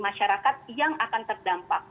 masyarakat yang akan terdampak